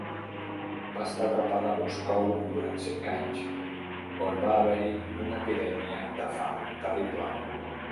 Va estar atrapada a Moscou durant cinc anys, on va haver-hi una epidèmia de fam terrible.